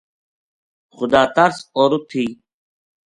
خدا ترس عورت تھی